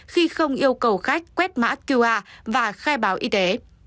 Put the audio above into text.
khi không yêu cầu khách quét mã qr và khai báo y tế